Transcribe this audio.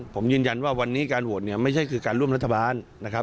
ผมยืนยันว่าวันนี้การโหวตเนี่ยไม่ใช่คือการร่วมรัฐบาลนะครับ